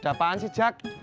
ada apaan sih jack